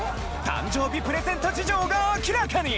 誕生日プレゼント事情が明らかに！